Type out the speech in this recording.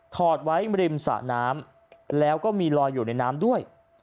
อดไว้ริมสระน้ำแล้วก็มีลอยอยู่ในน้ำด้วย